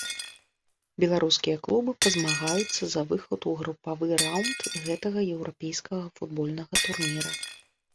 Беларускія клубы пазмагаюцца за выхад у групавы раўнд гэтага еўрапейскага футбольнага турніра.